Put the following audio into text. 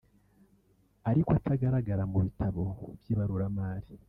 ariko atagaragara mu bitabo by’ibaruramari